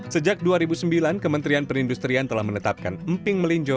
sejak dua ribu sembilan kementerian perindustrian telah menetapkan emping melinjo